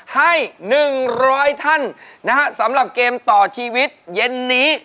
ให้๑๐๐ท่านนะฮะสำหรับเกมต่อชีวิตเย็นนี้